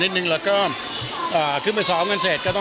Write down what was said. หรือว่าไม่ค่อย